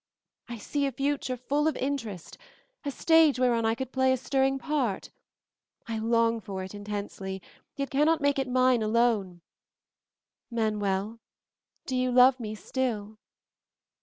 I see a future full of interest, a stage whereon I could play a stirring part. I long for it intensely, yet cannot make it mine alone. Manuel, do you love me still?"